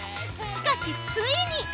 しかしついに！